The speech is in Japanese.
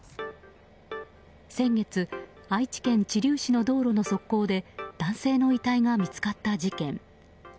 先月、愛知県知立市の道路の側溝で男性の遺体が見つかった事件。